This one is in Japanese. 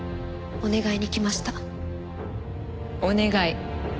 お願い？